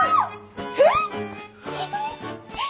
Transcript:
えっ⁉